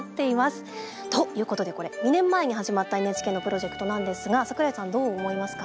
ということでこれ２年前に始まったＮＨＫのプロジェクトなんですが櫻井さんどう思いますか？